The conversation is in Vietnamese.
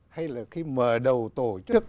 hay là khi mở đầu tổ chức